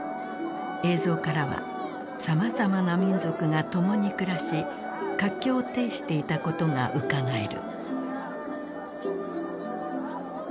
映像からはさまざまな民族が共に暮らし活況を呈していたことがうかがえる。